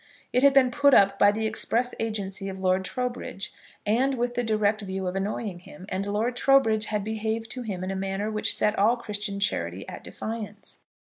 It had been put up by the express agency of Lord Trowbridge, and with the direct view of annoying him; and Lord Trowbridge had behaved to him in a manner which set all Christian charity at defiance.